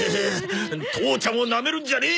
父ちゃんをなめるんじゃねえ！